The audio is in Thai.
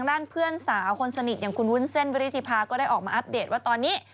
แล้วคุณวุ้นเซ่นวิธีภาคก็ได้ออกมาอัพเดทว่าตอนนี้